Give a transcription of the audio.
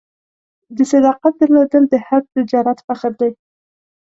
د صداقت درلودل د هر تجارت فخر دی.